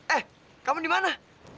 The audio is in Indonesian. eh kamu dimana